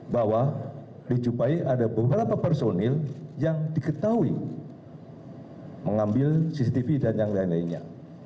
bahwa dijumpai ada beberapa personil yang diketahui mengambil cctv dan yang lain lainnya